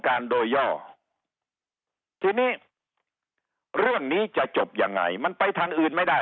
การโดยย่อทีนี้เรื่องนี้จะจบยังไงมันไปทางอื่นไม่ได้